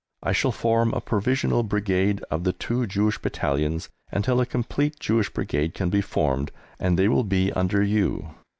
I shall form a provisional Brigade of the two Jewish Battalions until a complete Jewish Brigade can be formed, and they will be under you.